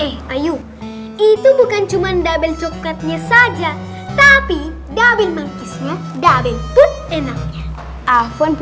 hai itu bukan cuman maintenance pakai tapi gabit menghilangkan